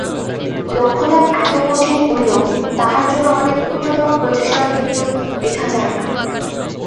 লক্ষ্যলাভ এত কঠিন হইলেও তাহার জন্য আমাদের ক্ষুদ্রতম প্রচেষ্টাও কিন্তু বৃথা যায় না।